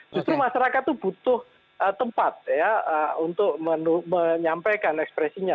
justru masyarakat itu butuh tempat ya untuk menyampaikan ekspresinya